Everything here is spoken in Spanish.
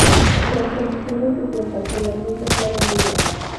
Las condiciones de su encarcelamiento fueron duras.